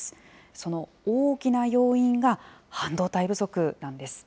その大きな要因が、半導体不足なんです。